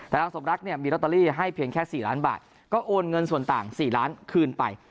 แต่นางสมรักเนี่ยมีลอตเตอรี่ให้เพียงแค่๔ล้านบาทก็โอนเงินส่วนต่าง๔ล้านคืนไป